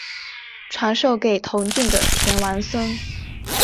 传授给同郡的田王孙。